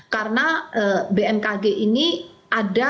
karena bmkg ini ada